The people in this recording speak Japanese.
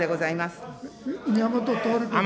宮本徹君。